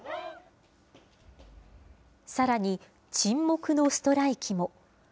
さらに、沈黙のストライキも。